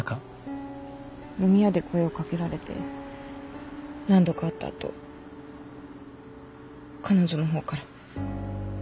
飲み屋で声を掛けられて何度か会った後彼女の方から。